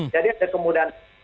jadi ada kemudahan